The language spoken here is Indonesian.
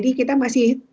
data kita masih